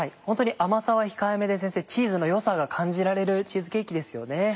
ホントに甘さは控えめでチーズの良さが感じられるチーズケーキですよね。